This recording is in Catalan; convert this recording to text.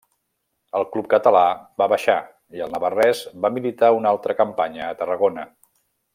El club català va baixar i el navarrès va militar una altra campanya a Tarragona.